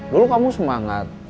dulu kamu semangat